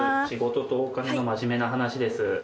『仕事とお金のマジメな話』です。